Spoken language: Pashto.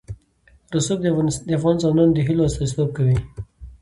رسوب د افغان ځوانانو د هیلو استازیتوب کوي.